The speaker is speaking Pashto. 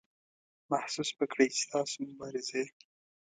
محسوس به کړئ چې ستاسو مبارزې.